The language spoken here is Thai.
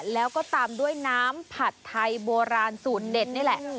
แล้วก็ตามด้วยน้ำผัดไทยโบราณสูตรเด็ดนี่แหละ